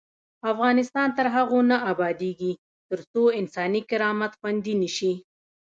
افغانستان تر هغو نه ابادیږي، ترڅو انساني کرامت خوندي نشي.